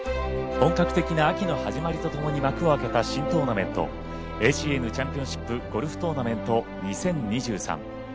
本格的な秋の始まりとともに幕を開けた新トーナメントＡＣＮチャンピオンシップゴルフトーナメント２０２３。